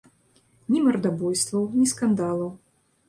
Ні мардабойстваў, ні скандалаў.